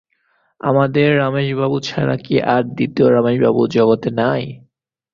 আমাদের রমেশবাবু ছাড়া কি আর দ্বিতীয় রমেশবাবু জগতে নাই?